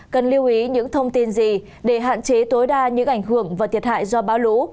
cần lưu ý những thông tin gì để hạn chế tối đa những ảnh hưởng và thiệt hại do bão lũ